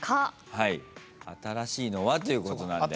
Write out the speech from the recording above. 「新しいのは」ということなんで。